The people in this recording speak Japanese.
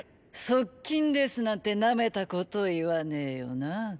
側近ですなんてなめたこと言わねェよなコラ。